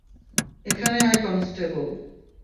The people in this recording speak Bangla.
এখানে আয় কনস্টেবল।